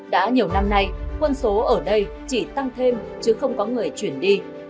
đã nhiều năm nay quân số ở đây chỉ tăng thêm chứ không có người chuyển đi